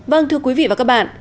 vâng thưa quý vị và các bạn